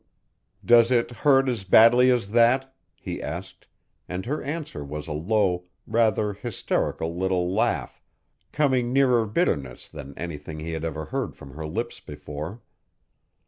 "Does it hurt as badly as that?" he asked, and her answer was a low, rather hysterical little laugh, coming nearer bitterness than anything he had ever heard from her lips before.